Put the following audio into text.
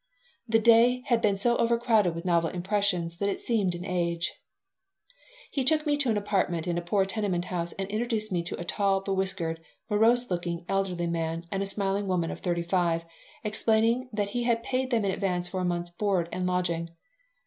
The day had been so crowded with novel impressions that it seemed an age He took me to an apartment in a poor tenement house and introduced me to a tall, bewhiskered, morose looking, elderly man and a smiling woman of thirty five, explaining that he had paid them in advance for a month's board and lodging.